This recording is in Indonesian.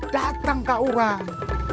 datang ke orang